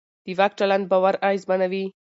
د واک چلند باور اغېزمنوي